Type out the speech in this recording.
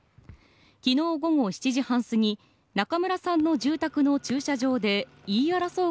昨日午後７時半すぎ中村さんの住宅の駐車場で言い争う